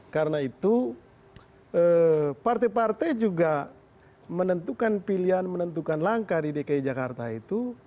karena itu partai partai juga menentukan pilihan menentukan langkah di dki jakarta itu